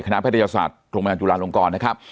คณะพฤติศาสตร์ธรรมดาจุฬาลงกรนะครับ